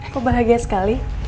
kok bahagia sekali